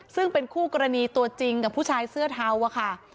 ซึ่งเป็นคู่กรณีตัวจริงกับผู้ชายเสื้อเทาอะค่ะ